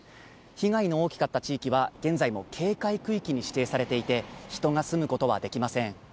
被害の大きかった地域は、現在も警戒区域に指定されていて、人が住むことはできません。